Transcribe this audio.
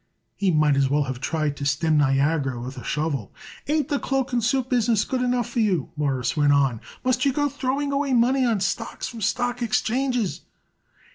He might as well have tried to stem Niagara with a shovel. "Ain't the cloak and suit business good enough for you?" Morris went on. "Must you go throwing away money on stocks from stock exchanges?"